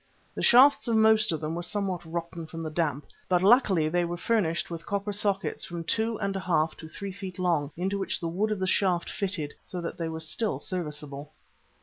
The shafts of most of them were somewhat rotten from the damp, but luckily they were furnished with copper sockets from two and a half to three feet long, into which the wood of the shaft fitted, so that they were still serviceable.